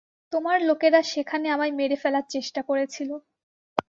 তোমার লোকেরা সেখানে আমায় মেরে ফেলার চেষ্টা করেছিল।